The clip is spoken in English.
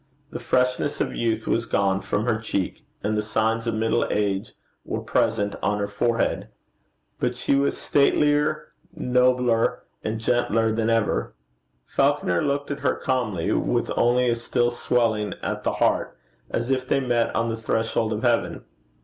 The freshness of youth was gone from her cheek, and the signs of middle age were present on her forehead. But she was statelier, nobler, and gentler than ever. Falconer looked at her calmly, with only a still swelling at the heart, as if they met on the threshold of heaven.